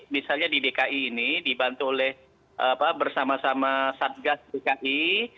misalnya di dki ini dibantu oleh bersama sama satgas dki